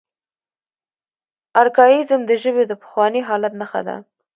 ارکائیزم د ژبې د پخواني حالت نخښه ده.